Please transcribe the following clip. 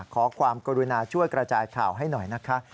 ขอความกรุณาช่วยกระจายข่าวให้หน่อยนะคะ